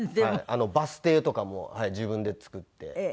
あのバス停とかも自分で作って。